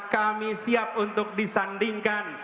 kami siap untuk disandingkan